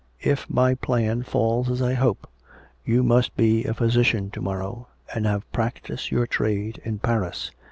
If my plan falls as I hope, you must be a physician to morrow, and have practised your trade in Paris.